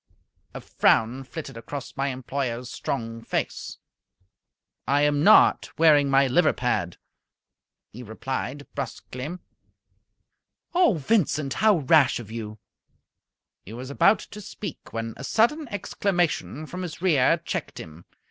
A frown flitted across my employer's strong face. "I am not wearing my liver pad," he replied, brusquely. "Oh, Vincent, how rash of you!" He was about to speak, when a sudden exclamation from his rear checked him.